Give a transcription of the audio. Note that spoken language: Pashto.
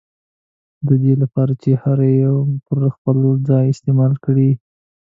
ددې له پاره چي هره ي مو پر خپل ځای استعمال کړې